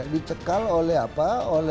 dicekal oleh apa